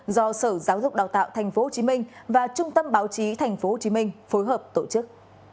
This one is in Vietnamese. do sở giáo dục đào tạo tp hcm và trung tâm báo chí tp hcm phối hợp tổ chức